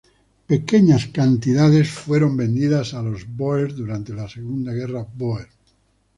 Pequeñas cantidades fueron vendidas a los bóer durante la Segunda Guerra Bóer.